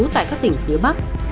tại các tỉnh phía bắc